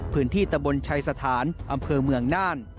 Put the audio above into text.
ตะบนชัยสถานอำเภอเมืองน่าน